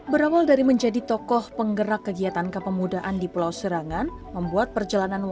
berawal dari menjadi tokoh penggerak kegiatan kepemudaan di pulau serangan membuat perjalanan